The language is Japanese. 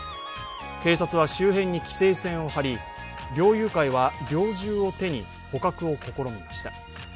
警察は周辺に規制線を張り猟友会は猟銃を手に捕獲を試みました。